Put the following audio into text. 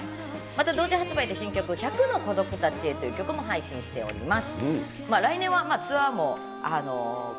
また同時発売、新曲、１００のコドク達へという新曲を発表しております。